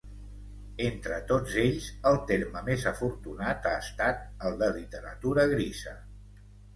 Entre tots ells, el terme més afortunat ha estat el de literatura grisa.